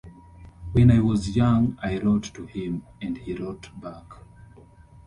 When I was young I wrote to him, and he wrote back.